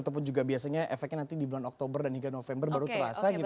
ataupun juga biasanya efeknya nanti di bulan oktober dan hingga november baru terasa gitu